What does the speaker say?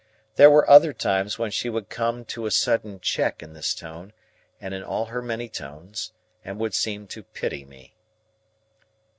There were other times when she would come to a sudden check in this tone and in all her many tones, and would seem to pity me.